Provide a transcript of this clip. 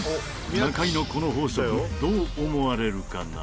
中井のこの法則どう思われるかな？